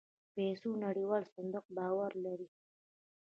پيسو نړيوال صندوق باور لري.